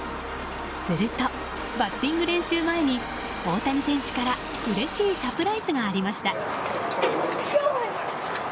すると、バッティング練習前に大谷選手からうれしいサプライズがありました。